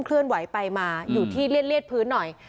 เลื่อนไหวไปมาอยู่ที่เลียดพื้นหน่อย